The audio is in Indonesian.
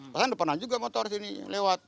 pesan pernah juga motor sini lewat